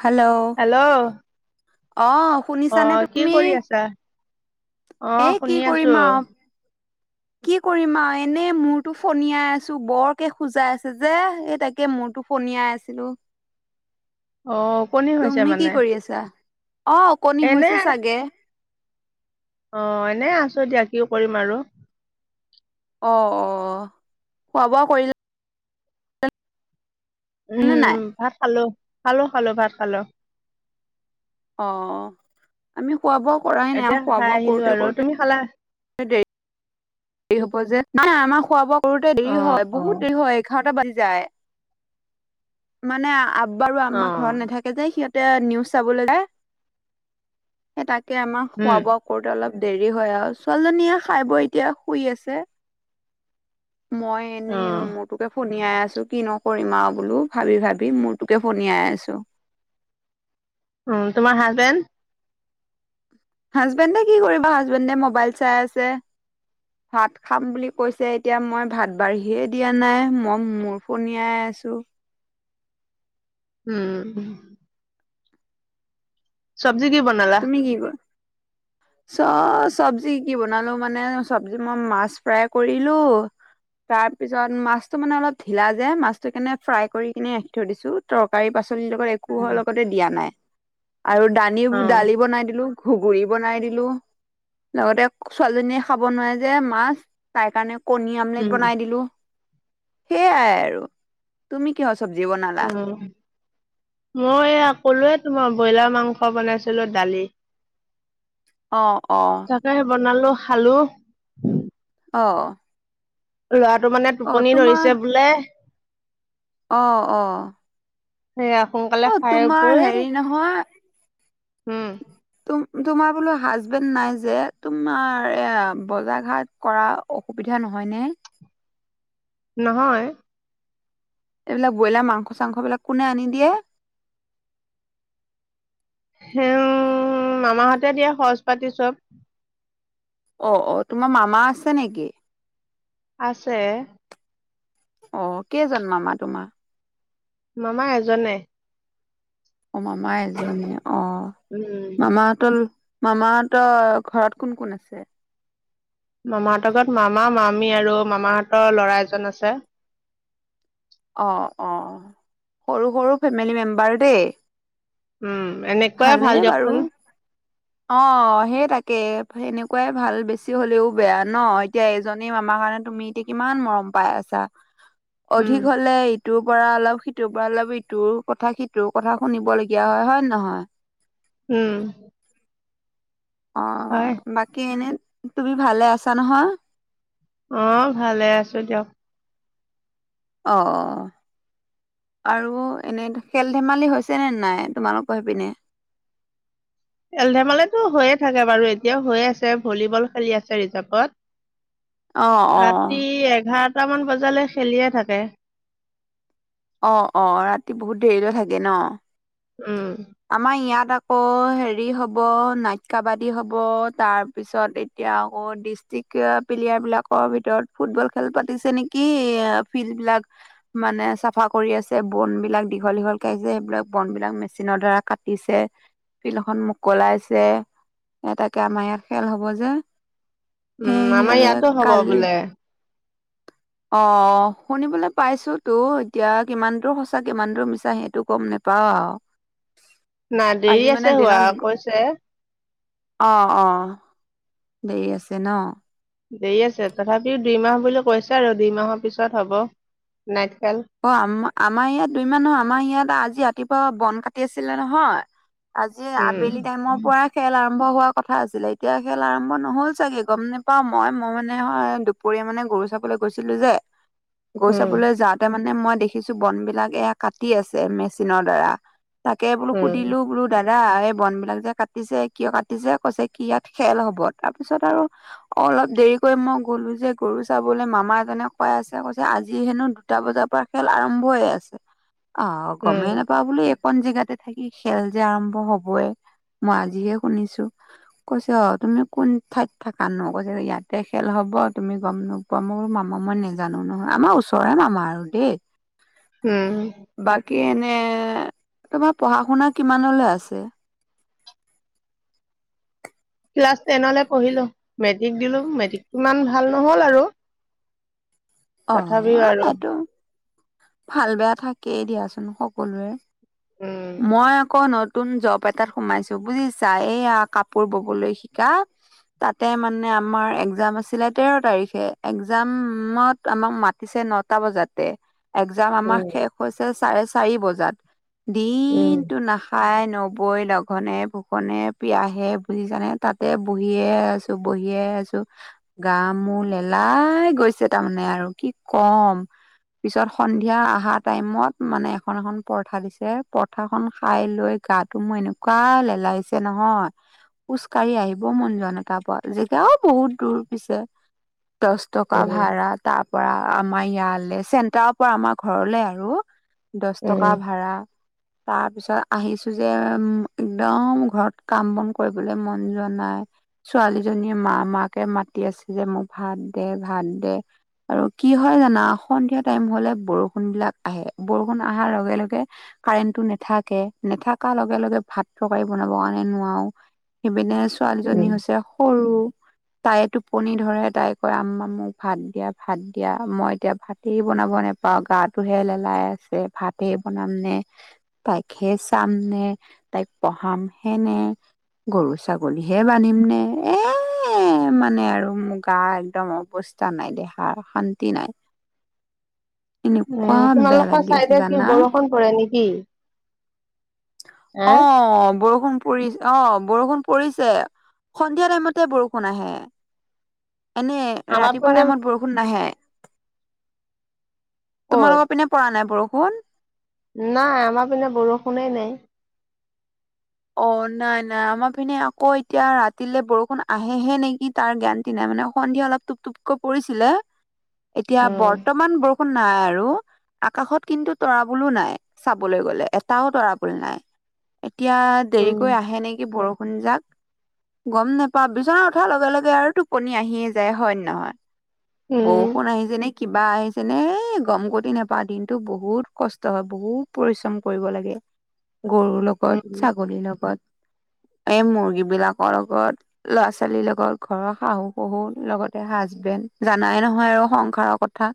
হাল্ল'। Hello. অ' শুনিছানে অ', কি তুমি কৰি আছা?। এ অ', কি শুনি কৰিম আছো। আৰু কি কৰিম আৰু এনেই মূৰতটো ফনিয়াই আছো, বৰকে খোজাই আছে যে এই তাকে মূৰটো ফনিয়াই আছিলো, অ টোপনি হৈছে তুমি মানে কি কৰি আছা?। অ', উকণী এনে হৈছে চাগে। অ', এনেই আছো দিয়া কি কৰিম আৰু। অ', অ', অ' খোৱা-বোৱা কৰিল নে নাই উম, ভাত খালো, খালো খালো ভাত খালো। অ', আমি খোৱা বোৱা কৰাই নাই, এতিয়া খোৱা খাই বোৱা আহিলো কৰোতে আৰু কৰোতে তুমি খালা? দেৰি হব যে, নাই নাই আমাৰ খোৱা বোৱা কৰোতে দেৰি অ হয় অ বহুত দেৰি হয়। এঘাৰতা বাজি যায়। মানে আব্বা আৰু অ আম্মা ঘৰত নাথা কে যে সিহঁতে নিউজ চাবলৈ যায়, সে তাকে আমাৰ উম খোৱা বোৱা কৰোতে অলপ দেৰি হয় আৰু, ছোৱালীজনীয়ে খাই বৈ এতিয়া শুই আছে। মই অ এনেই মূৰ তোকে ফনিয়াই আছো কিনো কৰিম আৰু বোলো ভাবি ভাবি মূৰটোকে ফনিয়াই আছো। উম, তোমাৰ হাজবেণ্ড? হাজবেণ্ডে কি কৰিব, হাজবেণ্ডে মোবাইল চাই আছে। ভাত খাম বুলি কৈছে, এতিয়া মই ভাত বাঢ়িয়ে দিয়া নাই, মই মোৰ ফণিয়াই আছো। উম। চব্জি কি বনালা? [unintelligible] চ চব্জি কি বনালো মানে চব্জি মই মাছ ফ্ৰাই কৰিলো তাৰ পিছত মাছটো মানে অলপ ঢিলা যে মাছটো সেইকাৰণে ফ্ৰাই কৰি কিনে ৰাখি থৈ দিছো। তৰকাৰী পাচলিৰ লগত একো উম, হৰ লগতে দিয়া নাই, আৰু দানি অ দালি বনাই দিলো। ঘুগুনি বনাই দিলো। লগতে ছোৱালীজনীয়ে খাব নোৱাৰে যে মাছ, তাই কাৰণে কণী আমলেট উম বনাই দিলোঁ, সেয়াই আৰু। তুমি কিহ'ৰ চব্জি অ বনালা? মই এইয়া ক'লোৱে তোমাক ব্ৰইলাৰ মাংস বনাইছিলো দালি। অ' অ'। তাকে বনালো, খালো। অ'। ল'ৰাটো মানে অ টোপনি তোমাৰ ধৰিছে বোলে। অ' অ'। সেইয়া সোন অ' তোমাৰ হেৰি নহয় উম। তোমাৰ বোলো হাজবেণ্ড নাই যে তোমাৰ এ বজাৰ ঘাট কৰা অসুবিধা নহয় নে? নহয়। এইবিলাক ব্ৰইলাৰ মাংস চাংস বিলাক কোনে আনি দিয়ে? হে মামাহঁতে দিয়ে খৰচ পাতি চব। অ' অ', তোমাৰ মামা আছে নেকি? আছে। অ' কেইজন মামা তোমাৰ? মামা এজনে। অ' মামা এজনেই, অ' উম মামা তল মামা হ'তৰ ঘৰত কোন কোন আছে? মামাহঁতৰ ঘৰত মামা, মামী আৰু মামাহঁতৰ ল'ৰা এজন আছে। অ' অ' সৰু সৰু ফেমিলি মেম্বাৰ দেই। উম এনেকুৱাই ভাল ভালেই বাৰু। দিয়কচোন অঁ' সেই তাকে এনেকুৱাই ভাল, বেছি হলেওঁ বেয়া ন। এতিয়া এজনেই মামা কাৰণে তুমি এতিয়া কিমান মৰম পাই আছা। উম অধিক হলে ইটোৰ পৰা অলপ সিটোৰ পৰা অলপ ইটোৰ কথা সিটোৰ কথা শুনিবলগীয়া হয়। হয় নে নহয়? উম হয়। বাকি এনেই তুমি ভালে আছা নহয়? অ' ভালে আছো দিয়ক। অ' অ' আৰু এনে খেল ধেমালি হৈছে নে নাই তোমালোক হেই পিনে? খেল ধেমালিতো হৈয়ে থাকে। বাৰু এতিয়া হৈয়ে আছে ভলীবল খেলি আছে ৰিৰ্জাৰভত। অ', অ', ৰাতি এঘাৰটা মান বজালে খেলিয়ে থাকে। অ' অ' ৰাতি বহুত দেৰিলৈ থাকে ন। উম আমাৰ ইয়াত আকৌ হেৰি হব নাইট কাবাদী হব তাৰপিছত এতিয়া আকৌ ডিষ্ট্ৰিক্ প্লেয়াৰ বিলাকৰ ভিতৰত ফুটবল খেল পাতিছে নেকি এ ফিল্ড বিলাক মানে চাফা চাফা কৰি আছে বন বিলাক দীঘল দীঘল কে যে সেইবিলাক বন বিলাক মেচিনৰ দ্বাৰা কাটিছে। ফিল্ড খন মুকলাইছে এ তাকে আমাৰ ইয়াত খেল হব যে। উম সেই আমাৰ সিহঁৰে ইয়াতো হ'ব কালি বোলে অ অ শুনিবলৈ পাইছো তো এতিয়া কিমান দূৰ সঁচা কিমান দূৰ মিছা সেইটো গ'ম নোপাওঁ আৰু। নাই দেৰি আজি মানে আছে হোৱা, দিনত কৈছে। অ অ দেৰি আছে ন। দেৰি আছে তথাপিও দুইমাহ বুলি কৈছে আৰু দুই মাহৰ পিছত হ'ব নাইট খেল- অ আম আমাৰ ইয়াত দুই মান নহয়। আমাৰ ইয়াত আজি ৰাতিপুৱা বন কাটি আছিলে নহয়। আজি উম আবেলি টাইমৰ পৰা। খেল আৰম্ভ হোৱাৰ কথা আছিলে এতিয়া খেল আৰম্ভ নহ'ল চাগে গম নেপাও মই মই মানে হয়। দুপৰীয়া মানে গৰু চাবলৈ গৈছিলো যে। গৰু, উম চাবলৈ যাওঁতে মানে মই দেখিছো বন বিলাক এয়া কাটি আছে মেচিনৰ দ্বাৰা। তাকে বোলো উম সুধিলো বোলো। দাদা এই বন বিলাক যে কাটিছে কিয় কাটিছে। কৈছে কি ইয়াত খেল হব তাৰ পিছত আৰু অলপ দেৰিকৈ মই গ'লো যে গৰু চাবলে মামা এজনে কৈ আছে কৈছে আজি হেনো। দুটা বজাৰ পৰা খেল আৰম্ভহে আছে অ উম গমেই নাপাওঁ বোল এইকন জেগাতে থাকি খেল যে আৰম্ভ হবই মই আজিহে শুনিছো। কৈছ অ তুমি কোন ঠাইত থাকা নু কৈছে যে ইয়াতে খেল হব তুমি গম নোপোৱা। অ মোৰ মামা মই নেজানো নহয় আমাৰ ওচৰৰে মামা আৰু দেই উম বাকী এনে তোমাৰ পঢ়া শুনা কিমানলৈ আছে। ক্লাছ টেনলৈ পঢ়িলো মেট্ৰিক দিলো মেট্ৰিক, ইমান ভাল নহল আৰু অ তথাপিও আৰু এইটো ভাল বেয়া থাকেই দিয়াচোন সকলোৰে উম মই আকৌ নত নতুন জব এটাত সোমাইছো বুজিছা এইয়া কাপোৰ ববলৈ শিকা। তাতে মানে আমাৰ এক্জাম আছিলে তেৰ তাৰিখে এক্জামত। আমাক মাতিছে নটা বজাতে এক্জাম আমাৰ উম শেষ হৈছে চাৰে চাৰি বজাত উম দিনটো নাখা- খাই নবৈ লঘোণে ভোষণে পিয়াহে বুজিচানে তাতে বহীয়ে আছো। তো বহিয়ে আছো গা মোৰ লেলাই গৈছে তাৰমানে আ আৰু কি কম। পিছত সন্ধিয়া অহা টাইমত মানে এখন এখন পৰঠা দিছে পৰঠাখন খাই লৈ গাত ত মোৰ এনেকুৱা লেলাইছে নহয়। খোজকাঢ়ি আহিব মনযোৱা নাই তাৰ পৰা জেগাও বহুত দূৰ পিছে। দচ টকা উম ভড়া তাৰ পৰা আমাৰ ইয়ালে চেণ্টাৰৰ পৰা আমাৰ ঘৰলে আৰু। দচ টকা উম ভাড়া। তাৰ পিছত আহিছো যে একদম ঘৰত কাম বন কৰিবলৈ মন যোৱা নাই। ছোৱালীজনীয়ে মা মাকে মাতি আছে যে মোক ভাত দে ভাত দে আৰু কি হয় জানা সন্ধিয়া টাইম হলে বৰষুণ বিলাক আহে বৰষুণ অহাৰ লগে লগে। কাৰেণ্টটো নেথাকে নেথাকাৰ লগে লগে ভাত তৰকাৰি বনাব কাৰণে নোৱাও। সেইপিনে ছো ছোৱালীজনী উম হৈছে সৰু তাইৰ টোপনি ধৰে তাই কয় আম্মা মোক ভাত দিয়া ভাত দিয়া মই এতিয়া ভাতেই বনাব নেপাওঁ গাটোহে লেলাই আছে ভাতে বনাম নে। তাইকে চাম নে তাইক পঢ়াম হে নে। গৰু ছাগলীহে বান্ধিম নে এ এ মানে আৰু মোৰ গা একদম অৱস্থা নাই দে। ‌আৰু শান্তি নাই। এনেকুৱা উম বেয়া তোমালোকৰ লাগি আছে চাইডে কি জানা। বৰষুণ পৰে নেকি হা অহ বৰষুণ। পৰিছে অহ বৰষুণ পৰিছে সন্ধিয়া টাইমতে বৰষুণ আহে। এনেই আমাৰ ৰাতিপুৱা পিনে টাইমত বৰষুণ নাহে ক'ত তোমাৰলোকৰ পিনে পৰা নাই বৰষুণ। নাই আমাৰ পিনে বৰষুণেই নাই অহ নাই নাই আমাৰ পিনে আকৌ এতিয়া ৰাতিলে বৰষুণ আহে হে নেকি। তাৰ গেৰান্তি নাই মানে সন্ধিয়া অলপ টোপ টোপকৈ পৰিছিলে। উ [unintelligible] এতিয়া বৰ্তমান বৰষুণ নাই আৰু। আকাশত কিন্তু তৰাবলো নাই চাবলৈ গলে এটাও তৰা বোল নাই এতিয়া উম দেৰিকৈ আহে নেকি বৰষুণ জাক। গম নেপাওঁ বিচনা উঠাৰ লগে লগে আৰু টোপনি আহিয়ে যায় হয় নে নহয়। উম বৰষুণ আহিছে নে কিবা আহিছে নে গম কৰি নেপাওঁ দিনতো বহুত কষ্ট হয় বহুত পৰিশ্ৰম কৰিব লাগে। গৰুৰ উম লগত ছাগলীৰ লগত এই মুৰ্গী বিলাকৰ লগত। ল'ৰা ছোৱালীৰ লগত ঘৰৰ শাহু শহুৰ লগতে হাজবেণ্ড জানাই নহয় আৰু সংসাৰৰ কথা।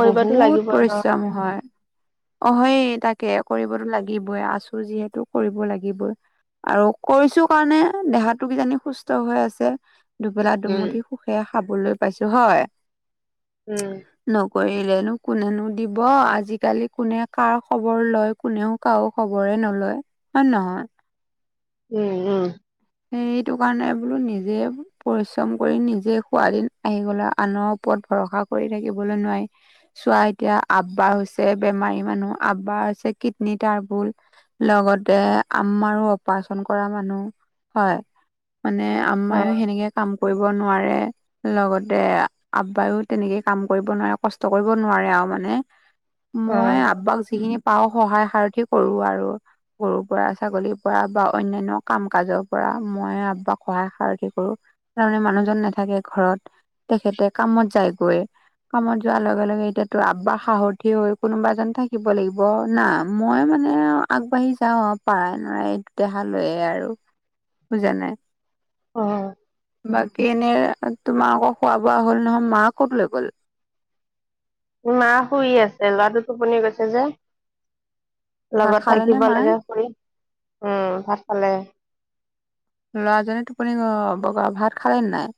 কৰিতো লাগিবই ন। উম হয়। অহ সেই তাকে কৰিবতো লাগিবই আছো যিহেতু কৰিব লাগিবই। আৰু কৰিছো কাৰণে দেহাতো কিজানি সুস্থ হৈ আছে। দুবেলা উম দুমুঠি সুখে খাবলৈ পাইছো হয়। উম নকৰিলেনো কোনেনো দিব আজিকালি কোনে কাৰ খবৰ লয় কোনেও কাৰো খবৰে নলয় হয় নহয়। উম উম। সেইটো কাৰণে বোলো নিজে পৰিশ্ৰম কৰি নিজে খোৱা দিন আহি গলে আনৰ ওপৰত ভৰখা। কৰি থাকিবলৈ নোৱাই চোৱা এতিয়া আব্বা হৈছে বেমাৰী মানুহ আব্বা হৈছে কিডনী তাৰবুল লগতে আম্মাৰো অপাৰচন কৰা মানুহ হয় মানে অ আম্মায়েও সেনেকে কাম কৰিব নোৱাৰে লগতে আব্বায়ো তেনেকেই কাম কৰিব নোৱাৰে কষ্ট কৰিব নোৱাৰে আও মানে অ মই আব্বাক যিখিনি পাও সহায় সাৰথি কৰো আৰু গৰুৰ পৰা ছাগলীৰ পৰা বা অন্যান্য কাম কাজক পৰা মই আব্বাক সহায় সাৰতি কৰো তাৰমানে মানুহজন নাথাকে ঘৰত তেখেতে কামত যায়গৈ কামত যোৱাৰ লগে লগে এতিয়াতো আব্বাহ সাহথি হৈ কোনোবা এজন থাকিব লাগি ব না মই মানে আগবাঢ়ি যাওঁ আও পাৰাই নৰাই এই দেহা লৈয়ে আৰু বুজা নাই অ বাকী এনে তোমাৰ আকৌ খোৱা বোৱা হ'ল নহয় মা ক'ত লৈ গ'ল মা শুই আছে ল'ৰাটো টোপনি গৈছে যে ভাত লগত খালে নে থাকিব মায়ে লাগে ফুৰি উম ভাত খালে ল'ৰাজনে টোপুনি গ'ল বগা ভাত খালে নে নাই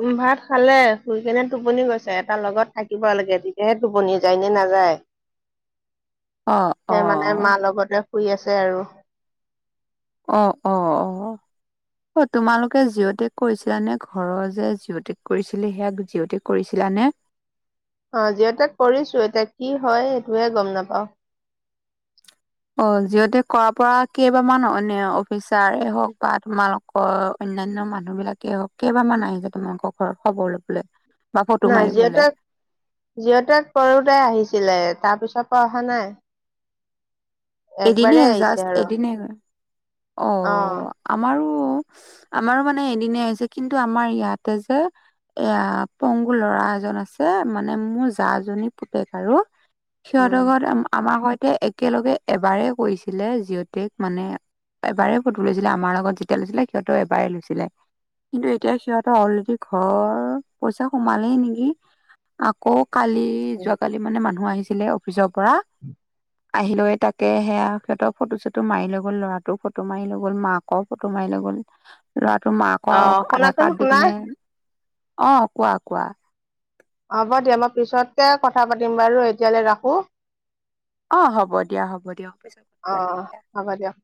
উম ভাত খালে শুই কেনে টোপনি গৈছে এটা লগত থাকিব লাগে তেতিয়াহে টোপনি যায়নে নাযায় অ', সেই মানে অ', মাৰ লগতে শুই আছে আৰু অ অ অ অ তোমালোকে জিঅ'টেক কৰিছিলা নে ঘৰৰ যে জিঅ' টেক কৰিছিলে সেয়া জিঅ' টেক কৰিছিলানে অ জিঅ টেক কৰিছো এতিয়া কি হয় সেইটোহে গম নাপাও অ জিঅ টেক কৰাৰ পৰা কেইবামান অন্যান্য অফিচাৰে হওক বা তোমা লোক অন্যান্য মানুহ বিলাকে হওক কেইবামান আহিছে তোমালোকৰ ঘৰত খবৰ লবলে নাই জিঅ টেক জিঅ টেক কৰোতোই আহিছিলে তাৰ পিছৰ পৰা অহা নাই একবাৰেই আহিছে আৰু নাই কৰা অ আমাৰো আমাৰো মানে এদিনে হৈছে কিন্তু আমাৰ ইয়াতে যে এয়া পংগু ল'ৰা এজন আছে মানে মোৰ জাজনীৰ পুতেক আৰু উম সিহঁতৰ ঘৰত আমাৰ সৈতে একেলগে এবাৰে কৰিছিলে জিঅ টেক মানে এবাৰেই ফটো লৈছিলে আমাৰ লগত যেতিয়া লৈছিলে সিহঁতেও এবাৰেই লৈছিলে কিন্তু এতিয়া সিহঁতৰ অলৰেডি ঘৰ পইচা সোমালেই নেকি আকৌ কালি উম যোৱাকালি মানে মানুহ আহিছিলে অফিচৰ পৰা আহিলৈ তাক কে সেয়া সিহঁতৰ ফটো চটো মাৰি লৈ গল ল'ৰাটোও ফটো মাৰি লৈ গল মাকও ফটো মাৰি লৈ গ'ল লৰাটোৰ অ মাকক আধাৰ শুনাচোন কাৰ্ড দি শুনা কিনে অ কোৱা কোৱা হ'ব দিয়া মই পিছতকে কথা পাতিম বাৰু এতিয়ালে ৰাখো অ হ'ব দিয়া হ'ব দিয়ক পিছত কথা অ পাতিম অ দিয়া হ'ব দিয়ক